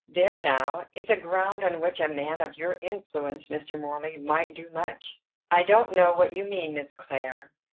There, now, is a ground on which a man of your influence, Mr. Morley, might do much." "I don't know what you mean, Miss Clare.